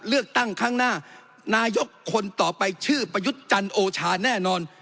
เลือกตั้งข้างหน้านายกคนต่อไปชื่อประยุทธ์จันทร์โอชาแน่นอน